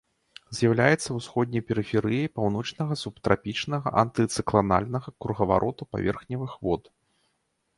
З'яўляецца ўсходняй перыферыяй паўночнага субтрапічнага антыцыкланальнага кругавароту паверхневых вод.